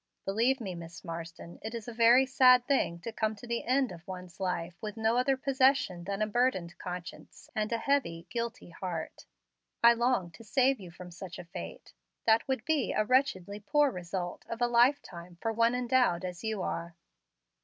Believe me, Miss Marsden, it is a very sad thing to come to the end of one's life with no other possession than a burdened conscience and a heavy, guilty heart. I long to save you from such a fate. That would be a wretchedly poor result of a lifetime for one endowed as you are."